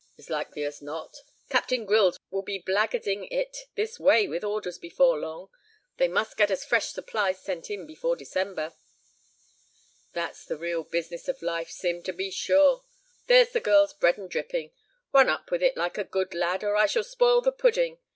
"As likely as not. Captain Grylls will be black guarding it this way with orders before long. They must get us fresh supplies sent in before December." "That's the real business of life, Sim, to be sure. There's the girl's bread and dripping. Run up with it like a good lad, or I shall spoil the pudding.